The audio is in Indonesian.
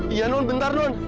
iya nun bentar nun